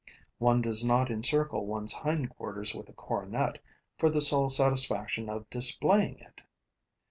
One does not encircle one's hindquarters with a coronet for the sole satisfaction of displaying it.